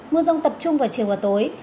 mưa rông tập trung vào chiều và tối